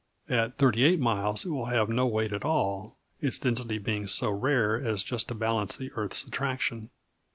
At thirty eight miles it will have no weight at all, its density being so rare as just to balance the earth's attraction.